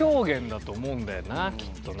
きっとな。